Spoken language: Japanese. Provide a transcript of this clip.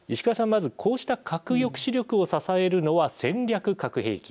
まずこうした核抑止力を支えるのは戦略核兵器。